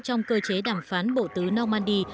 trong cơ chế đàm phán bộ tứ normandy